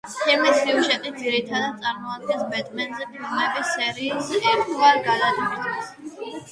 ფილმის სიუჟეტი ძირითადად წარმოადგენს ბეტმენზე ფილმების სერიის ერთგვარ გადატვირთვას.